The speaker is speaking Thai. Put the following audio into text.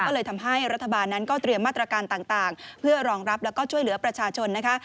ก็เลยทำให้รัฐบาลนั้นก็เตรียมมาตรการต่างเพื่อรองรับแล้วก็ช่วยเหลือประชาชนนะคะ